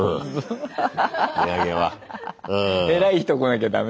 偉い人来なきゃダメ？